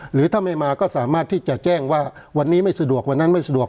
หรือถ้าไม่มาก็สามารถที่จะแจ้งว่าวันนี้ไม่สะดวกวันนั้นไม่สะดวก